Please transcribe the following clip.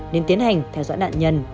nên tiến hành theo dõi nạn nhân